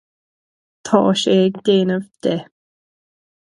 Tá sé ag déanamh de.